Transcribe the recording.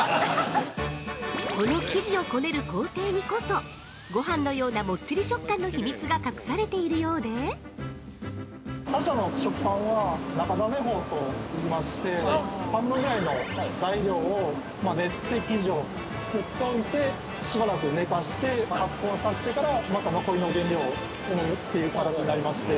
◆この生地をこねる工程にこそ、ごはんのようなもっちり食感の秘密が隠されているようで◆他社の食パンは中種法といいまして、半分ぐらいの材料を練って、生地を作っておいて、しばらく寝かして、発酵さしてから、また残りの原料をという形になりまして。